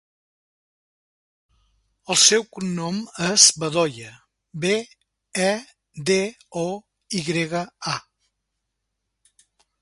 El seu cognom és Bedoya: be, e, de, o, i grega, a.